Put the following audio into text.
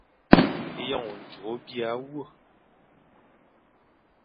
Eyon njuk o biya wa.